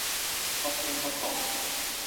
不經不覺